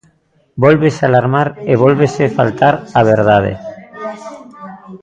Vólvese alarmar e vólvese faltar á verdade.